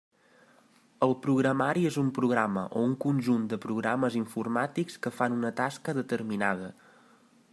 El programari és un programa o un conjunt de programes informàtics que fan una tasca determinada.